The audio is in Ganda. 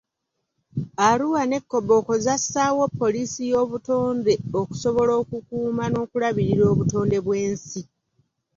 Arua ne Koboko zassaawo poliisi y'obutonde okusobola okukuuma n'okulabirira obutonde bw'ensi.